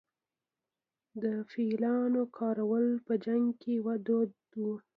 د فیلانو کارول په جنګ کې دود و